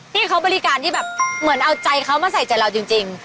ที่เขาบริการที่แบบเหมือนเอาใจเขามาใส่ใจเราจริง